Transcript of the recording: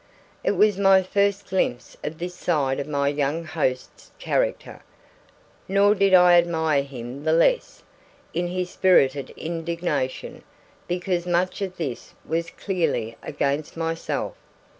It was my first glimpse of this side of my young host's character. Nor did I admire him the less, in his spirited indignation, because much of this was clearly against myself.